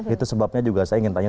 itu sebabnya juga saya ingin tanya